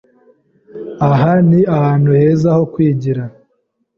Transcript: Aha ni ahantu heza ho kwigira.